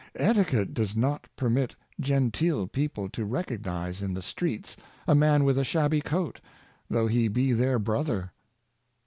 Etiquette does not permit genteel people to recognize in the streets a man with a shabby coat, though he be their brother.